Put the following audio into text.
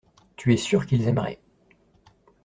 Tu es sûr qu’ils aimeraient.